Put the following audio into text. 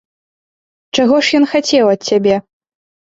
Чаго ж ён хацеў ад цябе?